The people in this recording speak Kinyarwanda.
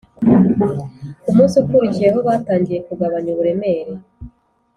ku munsi ukurikiyeho batangiye kugabanya uburemere